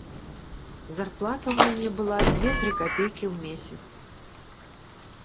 Зарплата ў мяне была дзве-тры капейкі ў месяц.